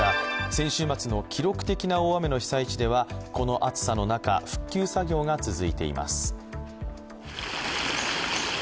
先週末の記録的な大雨の被災地ではこの暑さの中、復旧作業が続いています。